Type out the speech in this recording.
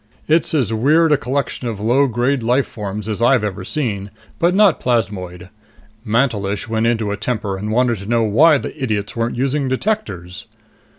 It's as weird a collection of low grade life forms as I've ever seen, but not plasmoid. Mantelish went into a temper and wanted to know why the idiots weren't using detectors."